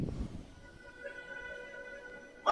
ټولنیز مهارتونه له خلګو سره نښلوي.